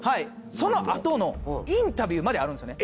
そのあとのインタビューまであるんですよね。